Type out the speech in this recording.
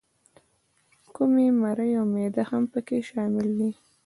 کومي، مرۍ او معده هم پکې شامل دي.